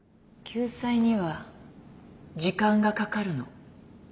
救済には時間がかかるの。